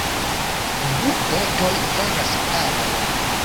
Du botoj faras paron.